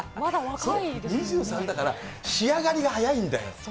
そう、２３だから仕上がりが早いんだよ。